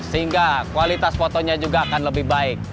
sehingga kualitas fotonya juga akan lebih baik